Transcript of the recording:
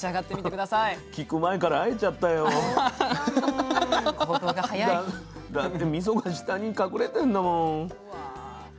だってみそが下に隠れてんだもん。